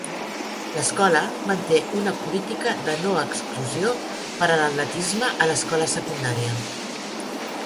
L'escola manté una política de no exclusió per a l'atletisme a l'escola secundària.